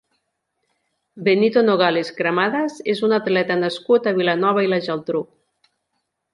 Benito Nogales Cremades és un atleta nascut a Vilanova i la Geltrú.